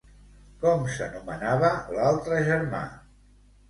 Com s'anomenava l'altre germà?